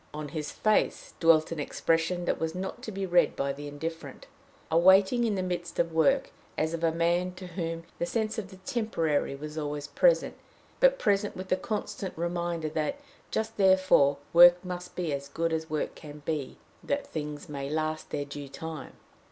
On his face dwelt an expression that was not to be read by the indifferent a waiting in the midst of work, as of a man to whom the sense of the temporary was always present, but present with the constant reminder that, just therefore, work must be as good as work can be that things may last their due time.